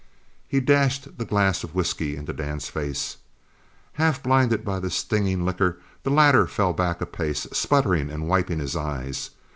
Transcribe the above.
He dashed the glass of whisky into Dan's face. Half blinded by the stinging liquor, the latter fell back a pace, sputtering, and wiping his eyes.